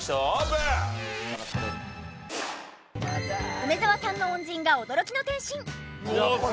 梅沢さんの恩人が驚きの転身！